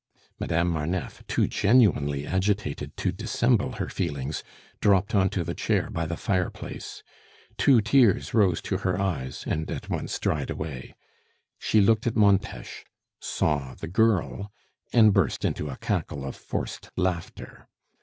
Madame Marneffe, too genuinely agitated to dissemble her feelings, dropped on to the chair by the fireplace. Two tears rose to her eyes, and at once dried away. She looked at Montes, saw the girl, and burst into a cackle of forced laughter.